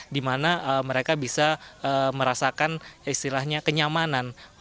dimana mereka bisa merasakan istilahnya kenyamanan